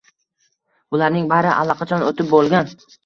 — Bularning bari allaqachon o‘tib bo‘lgan.